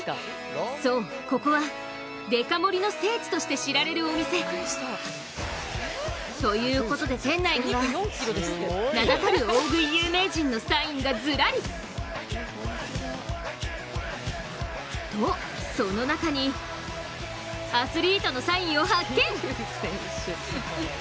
そう、ここはデカ盛りの聖地として知られるお店。ということで店内には名だたる大食い有名人のサインがずらり！と、その中にアスリートのサインを発見。